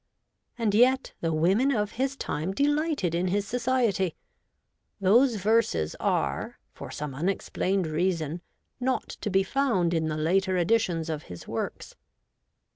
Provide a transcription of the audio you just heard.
And yet the women of his time delighted in his society ! Those verses are, for some unexplained reason, not to be found in the later editions of his works.